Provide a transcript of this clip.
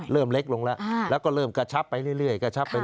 เริ่มเล็กลงแล้วแล้วก็เริ่มกระชับไปเรื่อยกระชับไป